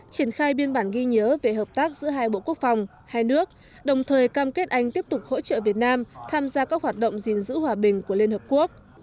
triển khai biên bản ghi nhớ về hợp tác giữa hai bộ quốc phòng hai nước đồng thời cam kết anh tiếp tục hỗ trợ việt nam tham gia các hoạt động gìn giữ hòa bình của liên hợp quốc